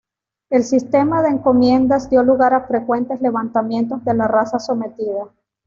El sistema de encomiendas dio lugar a frecuentes levantamientos de la raza sometida.